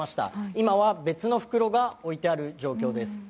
今は別の袋が置いてある状況です。